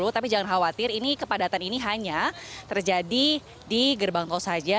tapi jangan khawatir ini kepadatan ini hanya terjadi di gerbang tol saja